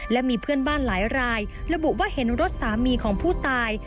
และมีเพื่อนบ้านหลายรายระบุว่าเห็นรถสามีของผู้ตาย